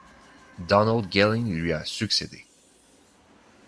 Donald Gelling lui a succédé.